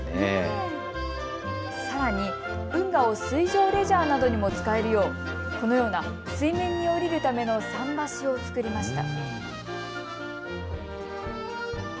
さらに運河を水上のレジャーなどにも使えるようこのような水面に降りるための桟橋を作りました。